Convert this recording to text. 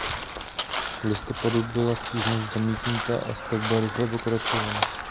V listopadu byla stížnost zamítnuta a stavba rychle pokračovala.